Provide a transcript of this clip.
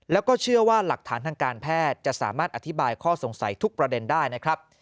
แล้วก็เชื่อว่าหลักฐานทางการแพทย์จะสามารถอธิบายข้อสงสัยทุกประเด็นได้นะครับ